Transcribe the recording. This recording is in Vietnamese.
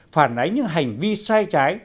phản ánh những hành vi sai trái